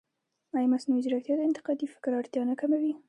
ایا مصنوعي ځیرکتیا د انتقادي فکر اړتیا نه کموي؟